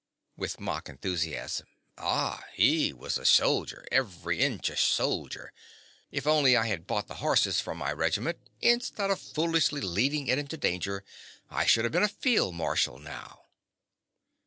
(With mock enthusiasm.) Ah, he was a soldier—every inch a soldier! If only I had bought the horses for my regiment instead of foolishly leading it into danger, I should have been a field marshal now!